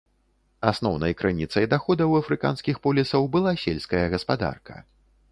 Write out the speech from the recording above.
Асноўнай крыніцай даходаў афрыканскіх полісаў была сельская гаспадарка.